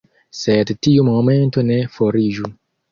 Sed tiu momento ne foriĝu.